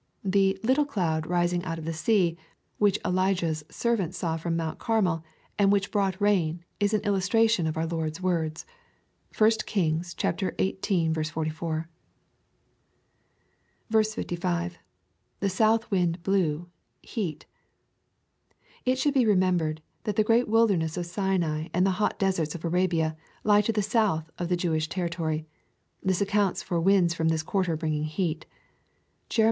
The " little cloud" rising out of the sea, which Elijah's ser vant saw from Mount Carmel, and which brought rain, is an illus tration of our Lord's words. (1 Kings xviii. 44.) 66. — [T^e south wind blew,., heat"] It should be remembered, that the great wilderness of Sinai and the hot deserts of Arabia, lie to the South of the Jewish territory. TI: s accounts for winds from this quarter bringing heat (Jerem.